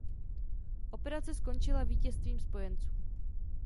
Operace skončila vítězstvím Spojenců.